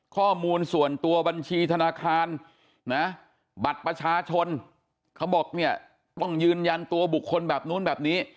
ข้อมูลส่วนตัวบัญชีธนาคารนะบัตรประชาชนเขาบอกเนี่ยต้องยืนยันตัวบุคคลแบบนู้นแบบนี้